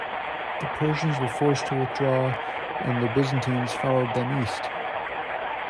The Persians were forced to withdraw, and the Byzantines followed them east.